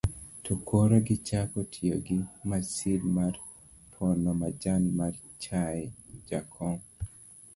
to koro gichako tiyo gi masin mar pono majan mar chaye. jakom